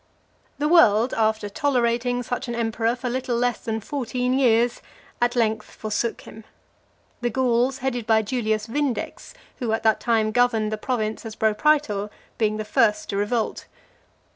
XL. The world, after tolerating such an emperor for little less than fourteen years, at length forsook him; the Gauls, headed by Julius Vindex, who at that time governed the province as pro praetor, being the first to revolt.